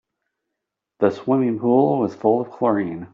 The swimming pool was full of chlorine.